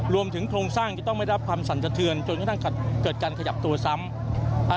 รวมถึงโครงสร้างจะต้องไม่ได้อาจให้ต้องแต่่ปรับศัลจรรย์จนกระจอดการขยับตัวซ้ำ